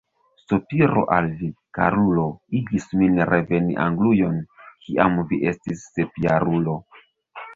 Sopiro al vi, karulo, igis min reveni Anglujon, kiam vi estis sepjarulo.